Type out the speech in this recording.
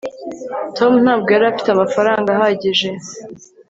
tom ntabwo yari afite amafaranga ahagije